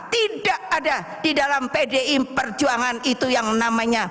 tidak ada di dalam pdi perjuangan itu yang namanya